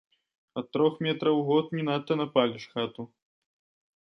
Ад трох метраў у год не надта напаліш хату.